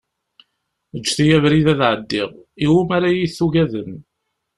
Ğǧet-iyi abrid ad ɛeddiɣ, iwumi ara yi-tugadem?